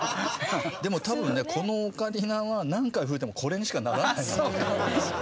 でも多分ねこのオカリナは何回吹いてもこれにしかならないかなと思いますよ。